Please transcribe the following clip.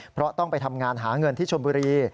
เพราะต้องไปทำงานหาเงินที่ชนบุรี